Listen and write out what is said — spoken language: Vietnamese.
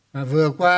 mà vừa qua